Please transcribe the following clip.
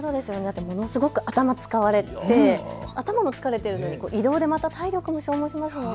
ものすごく頭、使われて頭も疲れているのに移動でまた体力も消耗しますよね。